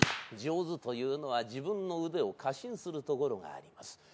上手というのは自分の腕を過信するところがあります。